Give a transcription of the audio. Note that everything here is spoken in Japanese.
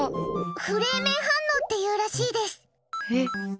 フレーメン反応というらしいです。